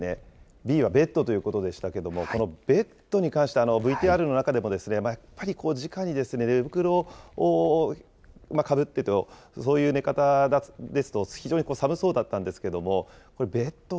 Ｂはベッドということでしたけれども、このベッドに関して、ＶＴＲの中でもやっぱりじかに寝袋をかぶってと、そういう寝方ですと、非常に寒そうだったんですけども、ベッドが